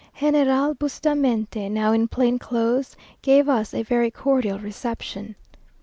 General Bustamante, now in plain clothes, gave us a very cordial reception.